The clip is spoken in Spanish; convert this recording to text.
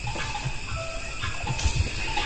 Era hijo de John Samuel y de Jane William.